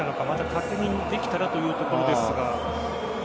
確認できたらというところですが。